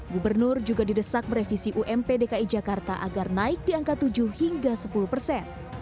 gubernur juga didesak merevisi ump dki jakarta agar naik di angka tujuh hingga sepuluh persen